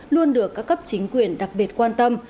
luôn được các cấp chính quyền đặc biệt quan tâm